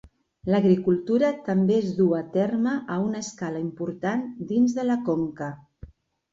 L'agricultura també es duu a terme a una escala important dins de la conca.